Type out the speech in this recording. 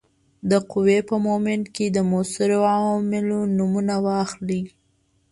د قوې په مومنټ کې د موثرو عواملو نومونه واخلئ.